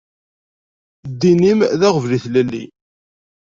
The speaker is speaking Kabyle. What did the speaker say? Ddin-im d aɣbel i tlelli.